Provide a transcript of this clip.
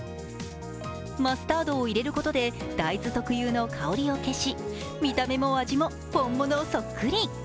マスタードを入れることで大豆特有の香りを消し見た目も味も本物そっくり。